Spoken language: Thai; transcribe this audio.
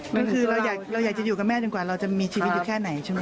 มันคือเราอยากจะอยู่กับแม่จนกว่าเราจะมีชีวิตอยู่แค่ไหนใช่ไหม